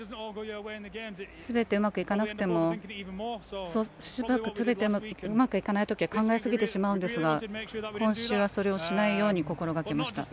すべてうまくいかない時は考えすぎてしまうんですが今週はそれをしないように心がけました。